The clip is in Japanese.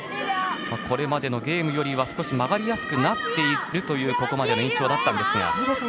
これまでのゲームよりは少し曲がりやすくなっているここまでの印象だったんですが。